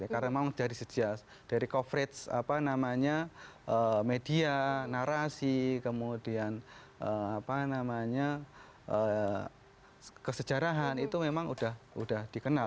karena memang dari coverage media narasi kesejarahan itu memang sudah dikenal